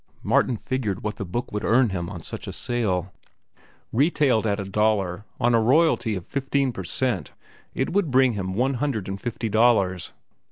Martin figured what the book would earn him on such a sale. Retailed at a dollar, on a royalty of fifteen per cent, it would bring him one hundred and fifty dollars.